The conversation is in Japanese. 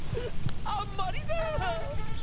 あんまりだあ』。